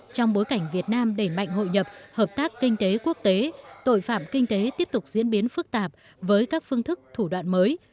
trong bối cảnh việt nam đẩy mạnh hội nhập hợp tác kinh tế quốc tế tội phạm kinh tế tiếp tục diễn biến phức tạp với các phương thức thủ đoạn mới